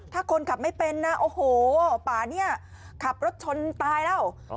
ถ้าคนขับไม่เป็นนะโอ้โหป่าเนี่ยขับรถชนตายแล้ว